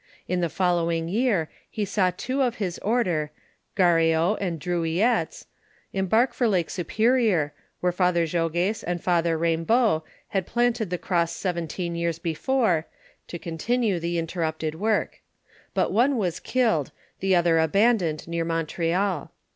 In the following year he saw two of his order, Garreau and Druilletes, embark for Lake Superior, where Father Jogues and Father Raymbault had planted the cross seventeen years before, to continue the interrupted work; but one was killed, the other abandoned near Montreal.